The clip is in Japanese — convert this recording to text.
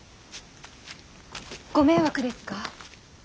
ご迷惑ですか。